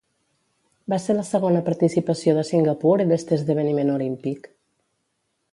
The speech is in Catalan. Va ser la segona participació de Singapur en este esdeveniment olímpic.